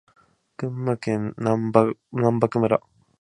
群馬県南牧村